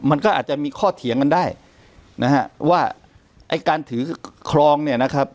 มันก็อาจจะมีข้อเถียงกันได้นะฮะว่าไอ้การถือครองเนี่ยนะครับ